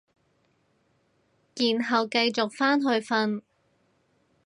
然後繼續返去瞓